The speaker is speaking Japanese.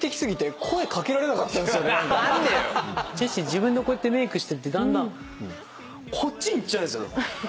自分でこうやってメークしてってだんだんこっちにいっちゃうんすよ。